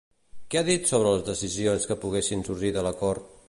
Què ha dit sobre les decisions que poguessin sorgir de l'acord?